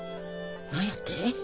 何やって？